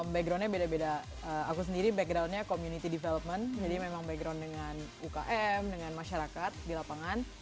backgroundnya beda beda aku sendiri backgroundnya community development jadi memang background dengan ukm dengan masyarakat di lapangan